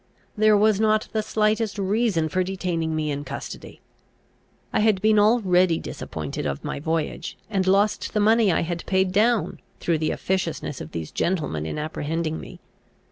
There was not the slightest reason for detaining me in custody. I had been already disappointed of my voyage, and lost the money I had paid, down, through the officiousness of these gentlemen in apprehending me.